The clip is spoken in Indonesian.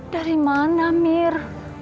dari mana mir